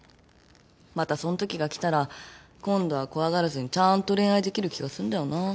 またそんときが来たら今度は怖がらずにちゃんと恋愛できる気がすんだよな。